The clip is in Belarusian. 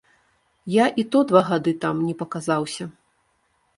Я і то два гады там не паказаўся.